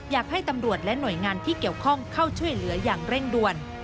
อยากให้ตำรวจและหน่วยงานที่เกี่ยวข้องเข้าช่วยเหลืออย่างเร่งด่วน